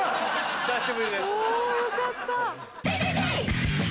およかった。